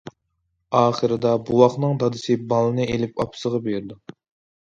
ئاخىرىدا بوۋاقنىڭ دادىسى بالىنى ئېلىپ ئاپىسىغا بېرىدۇ.